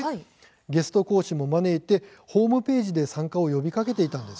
ゲスト講師も招いてホームページで参加を呼びかけていたんです。